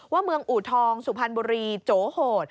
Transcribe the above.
เมืองอูทองสุพรรณบุรีโจโหด